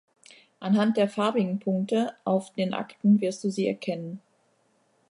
Anhand der farbigen Punkte auf den Akten wirst du sie erkennen.